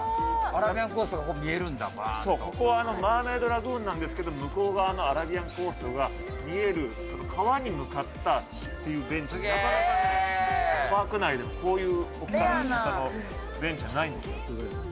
アラビアンコーストが見えるそう、ここはマーメイドラグーンなんですけど、向こう側のアラビアンコーストが見える、川に向かったっていうベンチって、なかなかね、パーク内でこういう置き方のベンチはないんですよ。